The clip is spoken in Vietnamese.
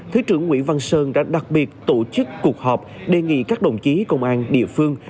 thứ trưởng nguyễn văn sơn đã đặc biệt tổ chức cuộc họp đề nghị các đồng chí công an địa phương